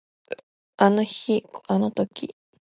あの日あの時